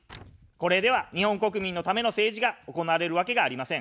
これでは日本国民のための政治が行われるわけがありません。